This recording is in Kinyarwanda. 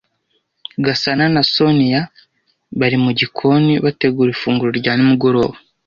Gasana na Soniya bari mu gikoni, bategura ifunguro rya nimugoroba.